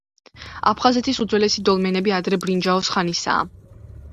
აფხაზეთის უძველესი დოლმენები ადრე ბრინჯაოს ხანისაა.